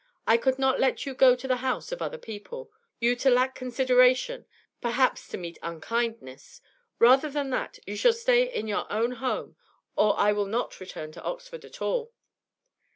I could not let you go to the house of other people you to lack consideration, perhaps to meet unkindness! Rather than that, you shall stay in your own home, or I will not return to Oxford at all.'